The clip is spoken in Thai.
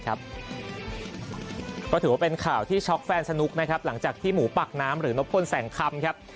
ก็ถือว่าเป็นข่าวที่ช็อกแฟนสนุกนะครับหลังจากที่หมูปากน้ำหรือนพลแสงคำครับ